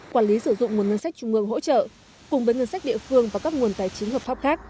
quản lý sử dụng nguồn ngân sách trung ương hỗ trợ cùng với ngân sách địa phương và các nguồn tài chính hợp pháp khác